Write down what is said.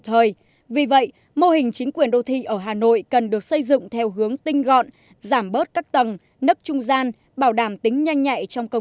tôi về hưu từ năm năm nay là sáu mươi năm